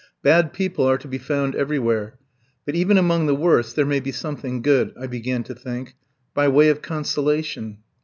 Bad people are to be found everywhere, but even among the worst there may be something good, I began to think, by way of consolation.